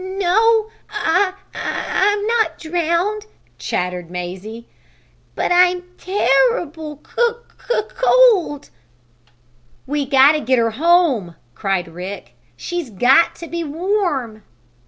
"No no! I I I'm not drowned," chattered Mazie, "but I'm terrible c c c old!" "We got to get her home!" cried Rick. "She's got to be warm!"